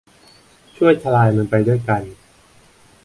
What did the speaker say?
ช่วยทลายมันไปด้วยกัน